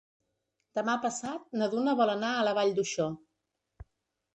Demà passat na Duna vol anar a la Vall d'Uixó.